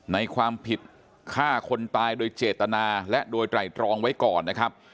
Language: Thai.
ในความผิดฆ่าคนตายโดยเจตนาและโดยไตรตรองไว้ก่อนนะครับ